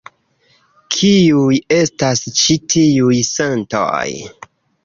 Kiuj estas ĉi tiuj sentoj?